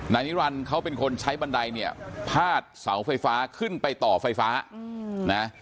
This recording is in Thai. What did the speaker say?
นิรันดิ์เขาเป็นคนใช้บันไดเนี่ยพาดเสาไฟฟ้าขึ้นไปต่อไฟฟ้านะ